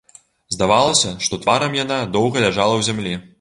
Здавалася, што тварам яна доўга ляжала ў зямлі.